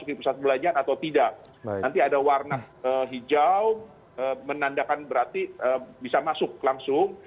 di pusat perbelanjaan atau tidak nanti ada warna hijau menandakan berarti bisa masuk langsung